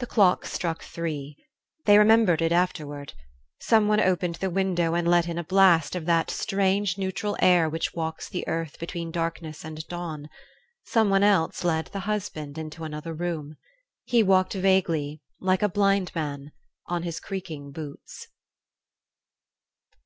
The clock struck three. They remembered it afterward. Someone opened the window and let in a blast of that strange, neutral air which walks the earth between darkness and dawn; someone else led the husband into another room. He walked vaguely, like a blind man, on his creaking boots.